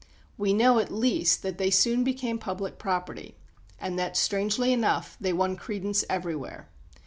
We know, at least, that they soon became public property, and that, strangely enough, they won credence everywhere.